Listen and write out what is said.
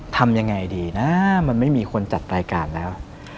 ทำยังไงดีนะมันไม่มีคนจัดรายการแล้ว